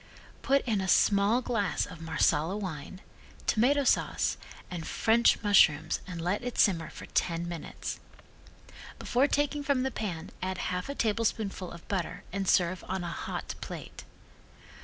Put in a small glass of Marsala wine, tomato sauce and French mushrooms and let simmer for ten minutes. Before taking from the pan add half a tablespoonful of butter and serve on a hot plate.